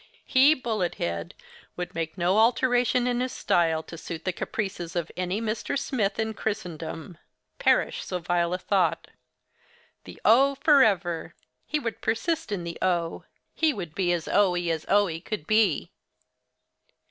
He, Bullet head, would make no alteration in his style, to suit the caprices of any Mr. Smith in Christendom. Perish so vile a thought! The O forever; He would persist in the O. He would be as O wy as O wy could be.